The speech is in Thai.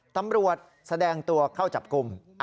ตำรวจแสดงตัวเข้าจับกลุ่ม